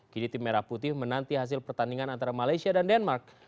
kini tim merah putih menanti hasil pertandingan antara malaysia dan denmark